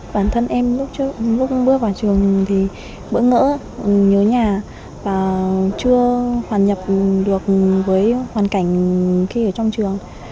bản thân em lúc bước vào trường thì bỡ ngỡ nhớ nhà và chưa hoàn nhập được với hoàn cảnh khi ở trong trường